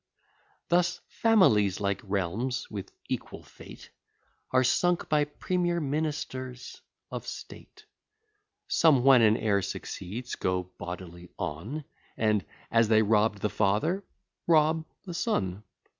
Thus families, like realms, with equal fate, Are sunk by premier ministers of state. Some, when an heir succeeds, go bodily on, And, as they robb'd the father, rob the son.